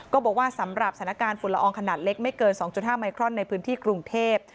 บอกว่าสำหรับสถานการณ์ฝุ่นละอองขนาดเล็กไม่เกิน๒๕ไมครอนในพื้นที่กรุงเทพ